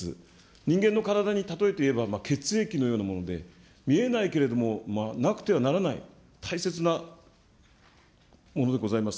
人間の体に例えていえば血液のようなもので、見えないけれども、なくてはならない大切なものでございます。